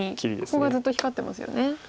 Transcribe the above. ここがずっと光ってますよね。